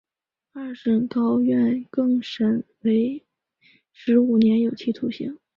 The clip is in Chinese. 二审高院更审为十五年有期徒刑。